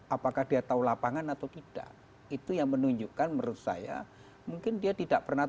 apakah dia tahu lapangan atau tidak itu yang menunjukkan menurut saya mungkin dia tidak pernah